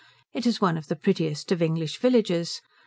It is one of the prettiest of English villages.